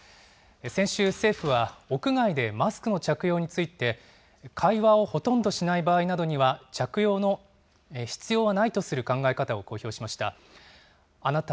先週、政府は屋外でマスクの着用について、会話をほとんどしない場合などには、着用の必要はないとする考え方を公表しました。